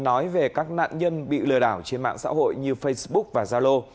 chúng tôi nói về các nạn nhân bị lừa đảo trên mạng xã hội như facebook và zalo